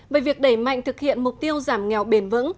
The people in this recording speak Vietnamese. về việc đẩy mạnh thực hiện mục tiêu giảm nghèo bền vững